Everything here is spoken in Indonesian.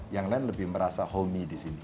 yang lain lebih merasa homie disini